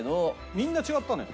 みんな違ったのよ。